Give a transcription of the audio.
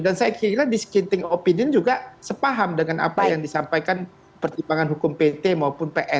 dan saya kira disenting opinion juga sepaham dengan apa yang disampaikan pertimbangan hukum pt maupun pn